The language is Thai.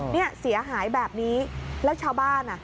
เนี่ยเสียหายแบบนี้แล้วชาวบ้านอ่ะ